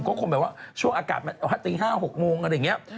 ก็คงแบบว่าช่วงอากาศมันตี๕๖โมงอะไรอย่างนี้